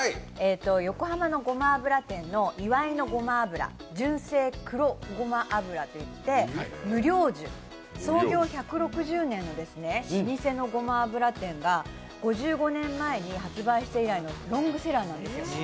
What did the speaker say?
横浜のごま油店の岩井の胡麻油、純正黒胡麻油といって、無量寿創業１６０年の老舗のごま油店が５５年前に発売して以来のロングセラーなんですよ。